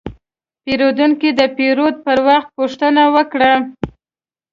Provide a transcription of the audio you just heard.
پیرودونکی د پیرود پر وخت پوښتنه وکړه.